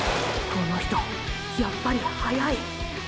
この人やっぱり速い！